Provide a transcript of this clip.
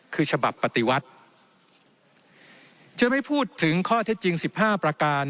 คือฉบับปฏิวัติจะไม่พูดถึงข้อเท็จจริง๑๕ประการ